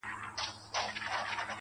• سایه یې نسته او دی روان دی.